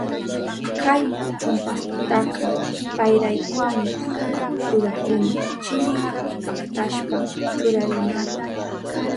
Kay chumpastutaka payraykumi rurahuni, chirika paktashpan churarinanpa.